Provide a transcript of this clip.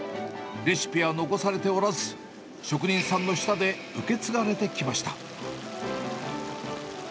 レシピは残されておらず、職人さんの舌で受け継がれてきました。